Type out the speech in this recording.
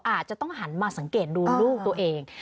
อาจจะต้องหันมาสังเกตดูลูกตัวเอง